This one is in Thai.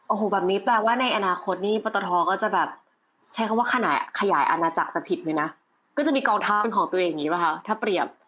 โอ้โหแบบนี้แปลว่าในอนาคตนี่ปตทก็จะแบบใช้คำว่าขยายอาณาจักรจะผิดเลยนะก็จะมีกองทัพเป็นของตัวเองอย่างนี้ป่ะคะถ้าเปรียบ